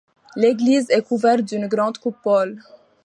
L'église est couverte d'une grande coupole.